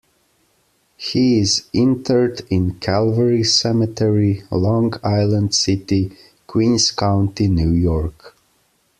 He is interred in Calvary Cemetery, Long Island City, Queens County, New York.